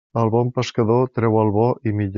El bon pescador treu el bo i millor.